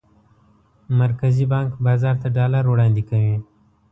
مرکزي بانک بازار ته ډالر وړاندې کوي.